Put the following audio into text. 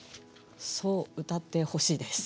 そう歌ってほしいです。